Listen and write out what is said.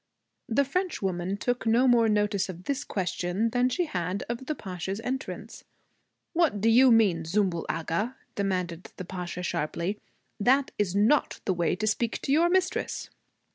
The Frenchwoman took no more notice of this question than she had of the Pasha's entrance. 'What do you mean, Zümbül Agha?' demanded the Pasha sharply. 'That is not the way to speak to your mistress.'